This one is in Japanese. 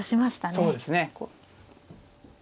そうですね。